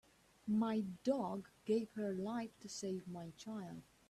My dog gave her life to save my child.